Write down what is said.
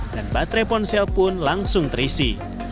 dan baterai ponsel pun langsung terisi